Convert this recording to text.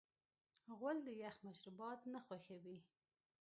غول د یخ مشروبات نه خوښوي.